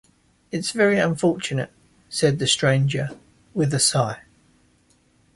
‘It’s very unfortunate,’ said the stranger, with a sigh.